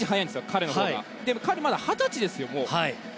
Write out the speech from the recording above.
彼、まだ二十歳ですよ。